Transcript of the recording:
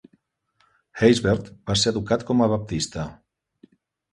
Haysbert va ser educat com a Baptista.